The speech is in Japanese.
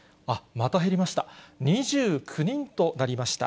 また減りました。